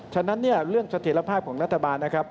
ฉะนั้นเรื่องเสถียรภาคของรัฐบาล